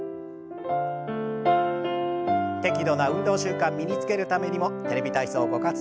適度な運動習慣身につけるためにも「テレビ体操」ご活用ください。